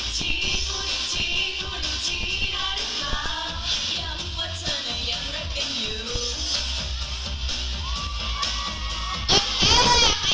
กลับมาคำที่เดาแค่ย้างเธอพูดใหม่